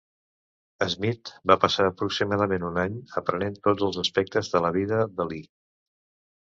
Smith va passar aproximadament un any aprenent tots els aspectes de la vida d'Ali.